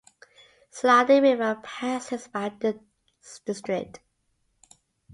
Salandi River passes by this district.